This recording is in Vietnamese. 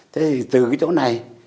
thế từ cái chỗ này